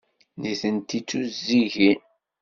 Nitenti d tuzzigin.